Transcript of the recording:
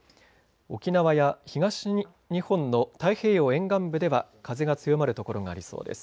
沖縄や東日本の太平洋沿岸部では風が強まる所がありそうです。